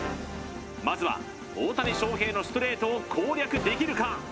まずは大谷翔平のストレートを攻略できるか？